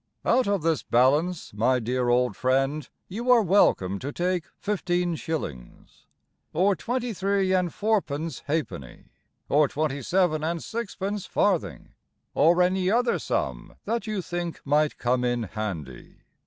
Out of this balance, my dear old friend, you are welcome to take fifteen shillings, Or twenty three and fourpence ha'penny, Or twenty seven and sixpence farthing, Or any other sum that you think might come in handy.